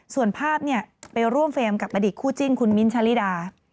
ส่วนภาพนี่ไปร่วมเฟรมกับประดิษฐ์คู่จิ้นคุณมิ้นชาฬิดา